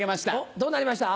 どうなりました？